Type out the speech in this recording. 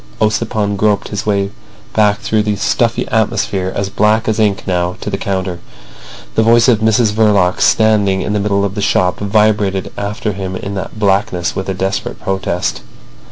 Ossipon groped his way back through the stuffy atmosphere, as black as ink now, to the counter. The voice of Mrs Verloc, standing in the middle of the shop, vibrated after him in that blackness with a desperate protest.